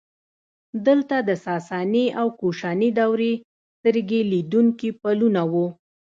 دلته د ساساني او کوشاني دورې سترګې لیدونکي پلونه وو